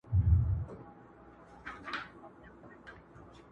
د کلي بازار کي خلک د اخبار په اړه پوښتنه کوي